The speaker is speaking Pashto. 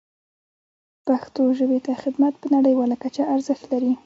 پښتو ژبې ته خدمت په نړیواله کچه ارزښت لري.